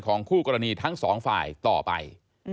คู่กรณีทั้งสองฝ่ายต่อไป